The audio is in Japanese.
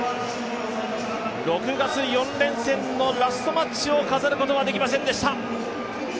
６月、４連戦のラストマッチを飾ることはできませんでした。